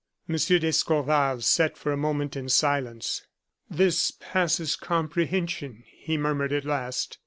d'Escorval sat for a moment in silence. "This passes comprehension," he murmured at last.